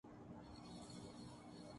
کل تمہارے سکول جائیں گے